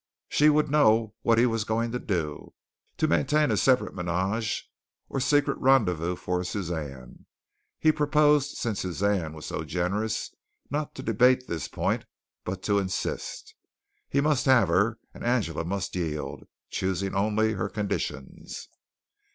She would know what he was going to do, to maintain a separate ménage, or secret rendezvous for Suzanne. He proposed since Suzanne was so generous not to debate this point, but to insist. He must have her, and Angela must yield, choosing only her conditions.